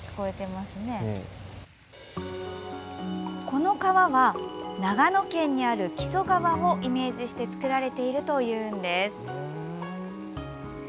この川は、長野県にある木曽川をイメージして造られているというんです。